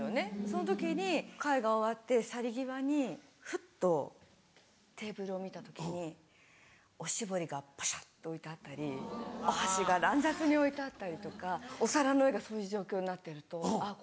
その時に会が終わって去り際にふっとテーブルを見た時におしぼりがポシャって置いてあったりお箸が乱雑に置いてあったりとかお皿の上がそういう状況になってるとあっ